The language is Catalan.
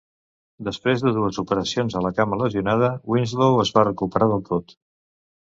Després de dues operacions a la cama lesionada, Winslow es va recuperar del tot.